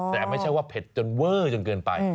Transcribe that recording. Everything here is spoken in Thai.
แต่ไม่ใช่ว่าเผ็ดจนเวอร์จนเกินไป